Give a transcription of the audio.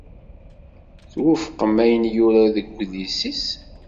Twufqeḍ ayen i yura deg udlis-is?